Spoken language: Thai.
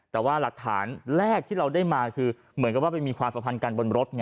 แต่ว่าหลักฐานแรกที่เราได้มาคือเหมือนกับว่าไปมีความสัมพันธ์กันบนรถไง